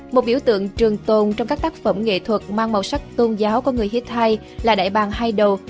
một biểu tượng trường tồn trong các tác phẩm nghệ thuật mang màu sắc tôn giáo của người hittai là đại bàng haidou